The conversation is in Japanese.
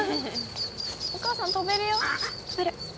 お母さん飛べるよ。